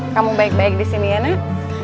kamu baik baik disini ya nak